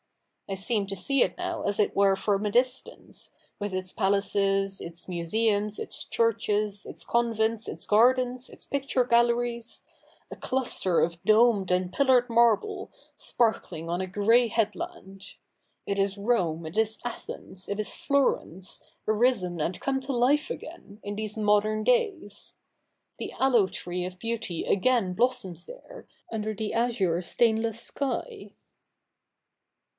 I seem to see it now as it were from a distance, with its palaces, its museums, its churches, its convents, its gardens, its picture galleries — a cluster of domed and pillared marble, sparkHng on a gray headland. It is Rome, it is Athens, it is Florence, arisen and come to life again, in these modern days. The aloe tree of beauty again blossoms there, under the azure stainless sky.'